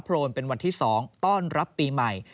โลนเป็นวันที่๒ต้อนรับปีใหม่